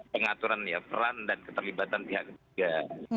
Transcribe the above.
pengaturan ya peran dan keterlibatan pihak ketiga